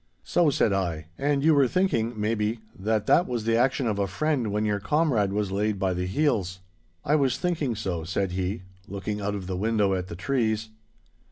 'So,' said I. 'And you were thinking, maybe, that that was the action of a friend when your comrade was laid by the heels?' 'I was thinking so,' said he, looking out of the window at the trees.